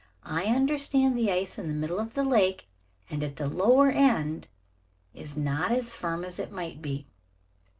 "I understand the ice in the middle of the lake, and at the lower end, is not as firm as it might be."